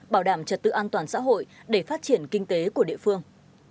bảo đảm trật tự an toàn xã hội để phát triển kinh tế của địa phương